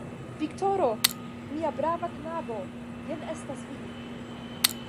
Viktoro! mia brava knabo, jen estas vi!